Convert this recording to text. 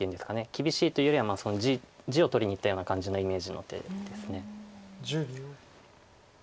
厳しいというよりは地を取りにいったような感じのイメージの手です。